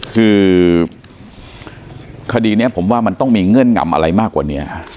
คือคดีนี้ผมว่ามันต้องมีเงื่อนงำอะไรมากกว่านี้